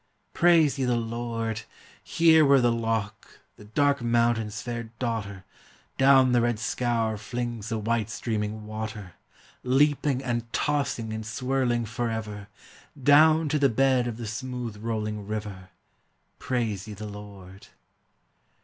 Praise ye the Lord! Here where the loch, the dark mountain's fair daughter, Down the red scaur flings the white streaming water, Leaping and tossing and swirling forever, Down to the bed of the smooth rolling river, Praise ye the Lord!